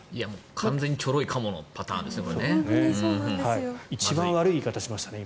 完全にちょろいカモのパターンですね。